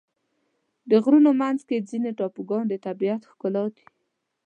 د غرونو منځ کې ځینې ټاپوګان د طبیعت ښکلا دي.